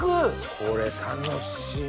これ楽しみ。